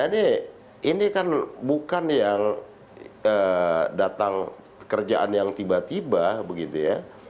ini kan bukan yang datang kerjaan yang tiba tiba begitu ya